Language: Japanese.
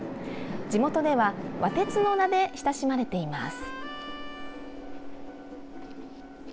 地元では「わ鐵」の名で親しまれています。